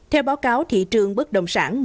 theo báo cáo thị trường bất động sản